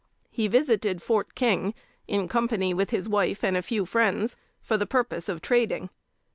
He visited Fort King, in company with his wife and a few friends, for the purpose of trading.